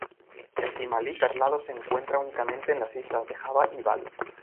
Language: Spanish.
El timalí perlado se encuentra únicamente en las islas de Java y Bali.